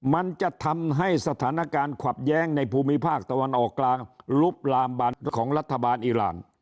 มันจะทำให้สถานการณ์ขวับแย้งในภูมิภาคตะวันออกกลางลุกลามของรัฐบาลอีราน